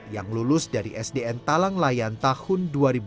yang lulus dari sdn talang layan tahun dua ribu dua